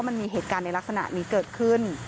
มันมีเหตุการณ์ในลักษณะนี้เกิดขึ้น